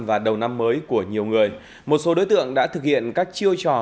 và đầu năm mới của nhiều người một số đối tượng đã thực hiện các chiêu trò